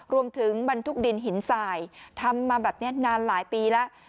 บรรทุกดินหินสายทำมาแบบนี้นานหลายปีแล้ว